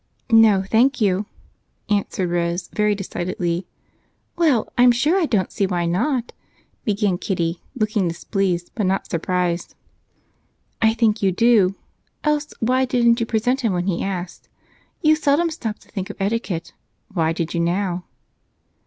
"No, thank you," answered Rose very decidedly. "Well, I'm sure I don't see why not," began Kitty, looking displeased but not surprised. "I think you do, else why didn't you present him when he asked? You seldom stop to think of etiquette why did you now?"